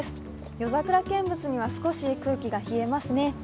夜桜見物には少し空気が冷えますね。